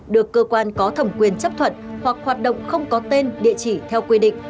được cơ quan có thẩm quyền chấp thuận hoặc hoạt động không có tên địa chỉ theo quy định